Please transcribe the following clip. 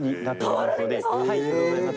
ありがとうございます。